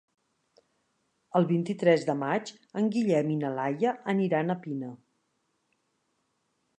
El vint-i-tres de maig en Guillem i na Laia aniran a Pina.